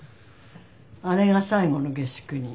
あれが最後の下宿人。